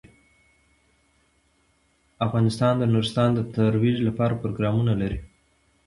افغانستان د نورستان د ترویج لپاره پروګرامونه لري.